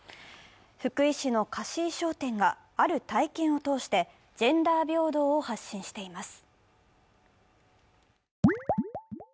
福井市の貸衣装店が、ある体験を通してジェンダー平等を発信しています。